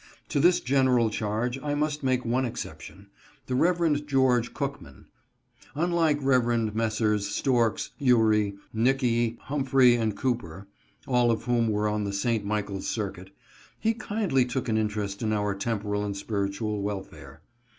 To this general charge 1 must make one exception — the Reverend George Cookman. Unlike Rev. Messrs. Storks, Ewry, Nicky, Humphrey, and Cooper (all of whom were on the St. Michaels circuit), he kindly took an inter est in our temporal and spiritual welfare.